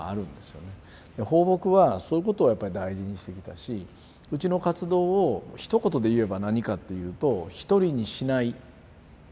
抱樸はそういうことをやっぱり大事にしてきたしうちの活動をひと言で言えば何かっていうと「一人にしない」という支援。